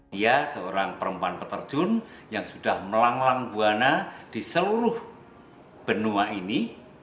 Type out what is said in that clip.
dia seorang perempuan peterjun yang sudah melanglang buana di seluruh benua ini